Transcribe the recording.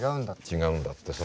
違うんだってさ。